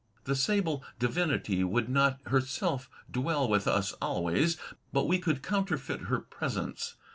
The sable divinity would not herself dwell with us always; but we could coimterfeit her presence.